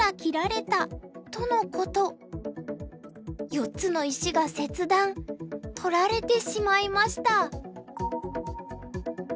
４つの石が切断取られてしまいました。